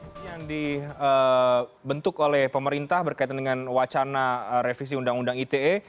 ini yang dibentuk oleh pemerintah berkaitan dengan wacana revisi undang undang ite